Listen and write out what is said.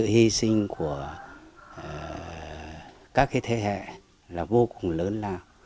hi sinh của các cái thế hệ là vô cùng lớn lao